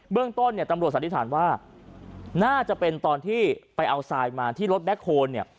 เรื่องต้นเนี่ยตำรวจสันนิษฐานว่าน่าจะเป็นตอนที่ไปเอาทรายมาที่รถแบ็คโฮลเนี่ย